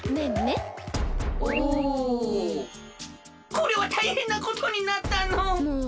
これはたいへんなことになったのう。